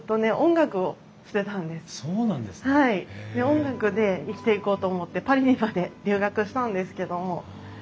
音楽で生きていこうと思ってパリにまで留学したんですけども。